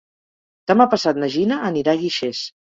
Demà passat na Gina anirà a Guixers.